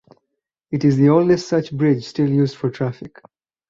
It is the oldest such bridge still used for traffic.